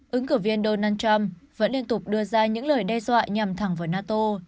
ứng cử viên donald trump vẫn liên tục đưa ra những lời đe dọa nhằm thẳng vào nato